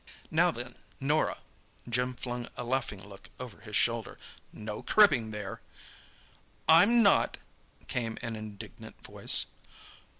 "Now then, Norah,"—Jim flung a laughing look over his shoulder—"no cribbing there!" "I'm not!" came an indignant voice.